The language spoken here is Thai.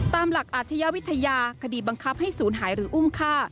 ตามหลักอาชญาวิทยาคดีบังคับให้ศูนย์หายหรืออุ้มฆ่า